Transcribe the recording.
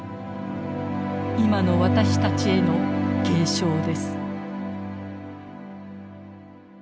今の私たちへの警鐘です。